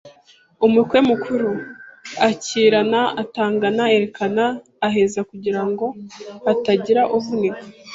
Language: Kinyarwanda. Umukwe mukuru: Akirana atangana erekana aheza kugira ngo hatagira uvunika